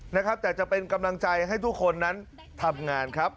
นะครับแต่จะเป็นกำลังใจให้ทุกคนนั้นทำงานครับ